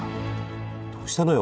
どうしたのよ